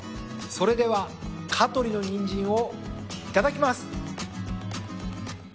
それでは香取のニンジンをいただきます。